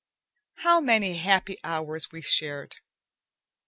How many happy hours we shared!